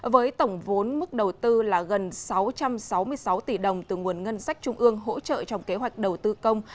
với tổng vốn mức đầu tư là gần sáu trăm sáu mươi sáu tỷ đồng từ nguồn ngân sách trung ương hỗ trợ trong kế hoạch đầu tư công